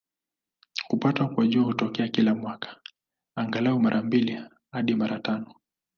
Kupatwa kwa Jua hutokea kila mwaka, angalau mara mbili hadi mara tano.